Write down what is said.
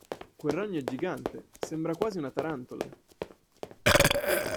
Quel ragno è gigante, sembra quasi una tarantola!